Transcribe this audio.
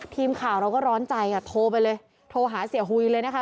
ทีมข่าวเราก็ร้อนใจอ่ะโทรไปเลยโทรหาเสียหุยเลยนะคะ